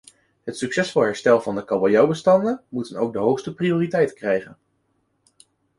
Het succesvolle herstel van de kabeljauwbestanden moet dan ook de hoogste prioriteit krijgen.